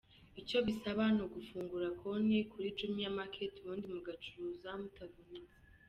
Icyo bisaba n'ugufungura konti kuri Jumia Market ubundi mugacuruza mutavunitse.